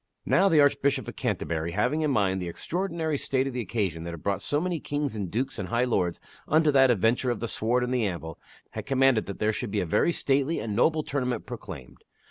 Now the Archbishop of Canterbury, having in mind the extraordinary state of the occasion that had brought so many kings and dukes and high lords unto that adventure of the sword and the anvil, had commanded that there should be a very stately and noble tournament proclaimed.